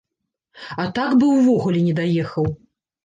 А так бы ўвогуле не даехаў!